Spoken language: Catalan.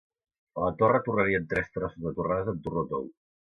A La Torre torrarien tres trossos de torrades amb torró tou.